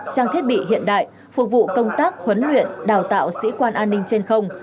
trang thiết bị hiện đại phục vụ công tác huấn luyện đào tạo sĩ quan an ninh trên không